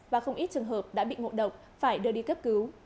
và không ít trường hợp đã bị ngộ độc phải đưa đi cấp cứu